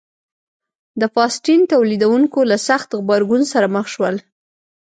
د فاسټین تولیدوونکو له سخت غبرګون سره مخ شول.